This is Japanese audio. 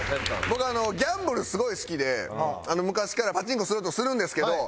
僕ギャンブルすごい好きで昔からパチンコするとするんですけど。